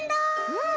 うん。